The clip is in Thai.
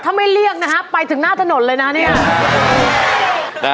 ถ้าไม่เรียกนะฮะไปถึงหน้าถนนเลยนะเนี่ย